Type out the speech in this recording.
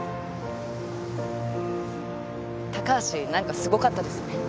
高橋何かすごかったですね。